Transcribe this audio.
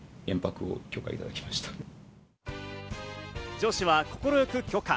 上司は快く許可。